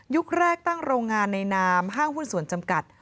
แรกตั้งโรงงานในนามห้างหุ้นส่วนจำกัด